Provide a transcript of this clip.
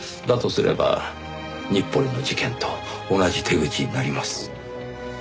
だとすれば日暮里の事件と同じ手口になります。